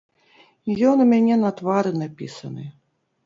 Ён ў мяне на твары напісаны.